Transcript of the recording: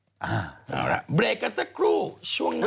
เอาล่ะเบรกกันสักครู่ช่วงหน้า